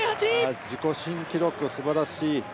自己新記録、すばらしい。